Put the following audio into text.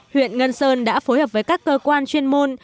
huyện ngân sơn đã phối hợp với các cơ quan chuyên môn